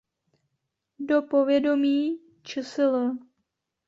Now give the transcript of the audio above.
Do povědomí čsl.